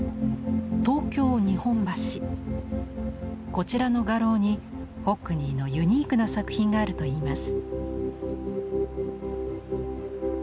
こちらの画廊にホックニーのユニークな作品があるといいます。